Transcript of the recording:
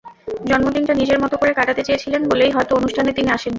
জন্মদিনটা নিজের মতো করে কাটাতে চেয়েছিলেন বলেই হয়তো অনুষ্ঠানে তিনি আসেননি।